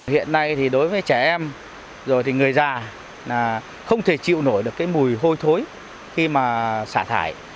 hiện nay thì đối với trẻ em rồi thì người già không thể chịu nổi được cái mùi hôi thối khi mà xả thải